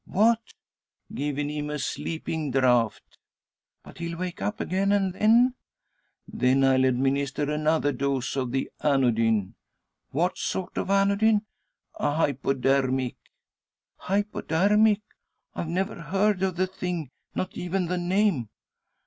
"What?" "Given him a sleeping draught." "But he'll wake up again; and then " "Then I'll administer another dose of the anodyne." "What sort of anodyne?" "A hypodermic." "Hypodermic! I've never heard of the thing; not even the name!"